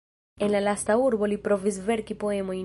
En la lasta urbo li provis verki poemojn.